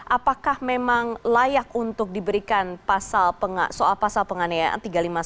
apakah memang layak untuk diberikan soal pasal penganiayaan tiga ratus lima puluh satu